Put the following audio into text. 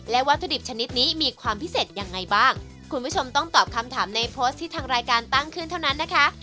วัตถุดิบชนิดนี้มีความพิเศษยังไงบ้างคุณผู้ชมต้องตอบคำถามในโพสต์ที่ทางรายการตั้งขึ้นเท่านั้นนะคะ